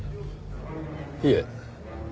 いえ。